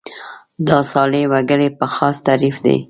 دا صالح وګړي په خاص تعریف دي.